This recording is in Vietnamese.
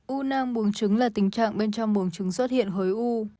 u nang buồng trứng là tình trạng bên trong buồng trứng xuất hiện khối u